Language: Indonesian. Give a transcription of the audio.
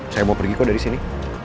saya mau pergi kok dari sini